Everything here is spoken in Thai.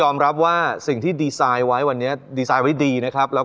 ไม่มีวันรู้แล้ว